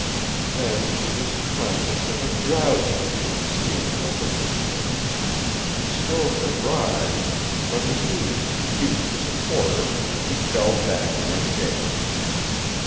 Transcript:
Then she was conscious of a drowsy feeling stealing over her. She strove to rise, but her knees refused to support her and she fell back in her chair.